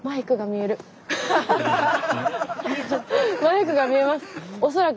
マイクが見えます！